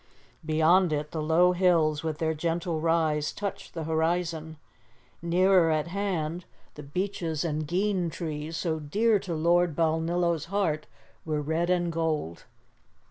Beyond it the low hills with their gentle rise touched the horizon; nearer at hand the beeches and gean trees, so dear to Lord Balnillo's heart, were red and gold.